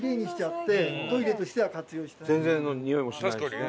全然においもしないしね。